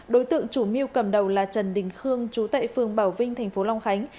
đối tượng chủ mưu cầm đầu là trần đình khương chú tệ phường bảo vinh tp long khánh